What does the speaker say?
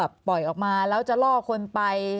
แล้วพอปล่อยออกมาจะล่อกิจคนไป